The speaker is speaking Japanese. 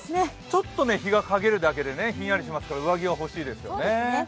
ちょっと日が陰るだけでひんやりしますから上着は欲しいですよね。